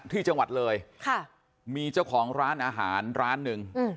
ที่จังหวัดเลยค่ะมีเจ้าของร้านอาหารร้านหนึ่ง